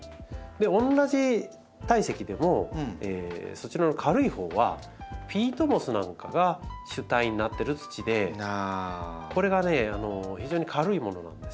同じ体積でもそちらの軽いほうはピートモスなんかが主体になってる土でこれがね非常に軽いものなんです。